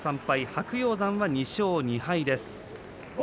白鷹山は２勝２敗です。